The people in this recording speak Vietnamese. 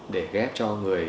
để ghép cho người